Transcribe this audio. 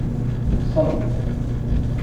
Ṭṭṣent.